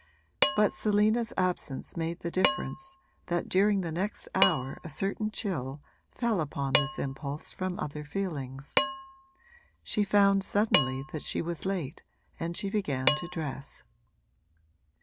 But Selina's absence made the difference that during the next hour a certain chill fell upon this impulse from other feelings: she found suddenly that she was late and she began to dress.